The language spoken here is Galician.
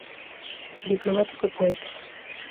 Diplomático e poeta.